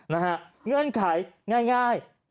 เงื่อนไขง่าย